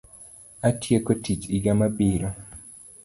Atieko tiich iga mabiro.